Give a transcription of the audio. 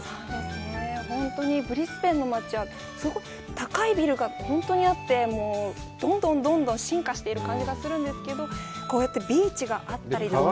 本当にブリスベンの街はすごく高いビルが本当にあって、どんどん進化している感じがするんですけど、こうやってビーチがあったりとか。